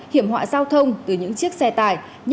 hiểm họa giao thông từ những chiếc xe tải